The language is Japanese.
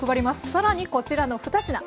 更にこちらの２品。